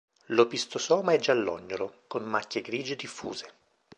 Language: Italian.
L'opistosoma è giallognolo, con macchie grigie diffuse.